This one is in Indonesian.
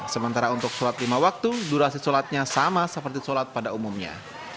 sementara untuk sholat lima waktu durasi sholatnya sama seperti sholat pada umumnya